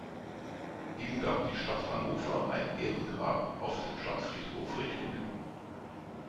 Ihm gab die Stadt Hannover ein Ehrengrab auf dem Stadtfriedhof Ricklingen.